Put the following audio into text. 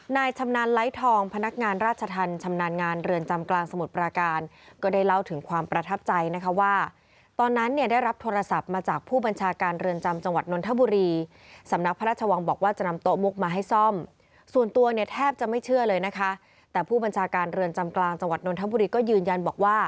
ชำนาญไร้ทองพนักงานราชธรรมชำนาญงานเรือนจำกลางสมุทรปราการก็ได้เล่าถึงความประทับใจนะคะว่าตอนนั้นเนี่ยได้รับโทรศัพท์มาจากผู้บัญชาการเรือนจำจังหวัดนนทบุรีสำนักพระราชวังบอกว่าจะนำโต๊ะมุกมาให้ซ่อมส่วนตัวเนี่ยแทบจะไม่เชื่อเลยนะคะแต่ผู้บัญชาการเรือนจำกลางจังหวัดนทบุรีก็ยืนยันบอกว่า